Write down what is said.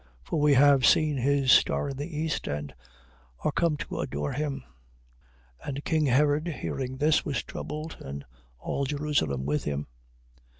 For we have seen his star in the East, and are come to adore him. 2:3. And king Herod hearing this, was troubled, and all Jerusalem with him.